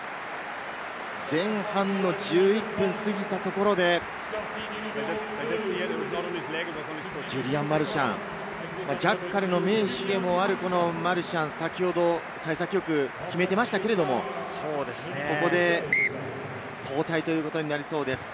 前半の１１分を過ぎたところでジュリアン・マルシャン、ジャッカルの名手でもあるこのマルシャン、先ほど幸先よく決めていましたけれども、ここで交代ということになりそうです。